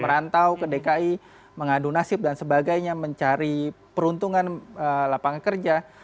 merantau ke dki mengadu nasib dan sebagainya mencari peruntungan lapangan kerja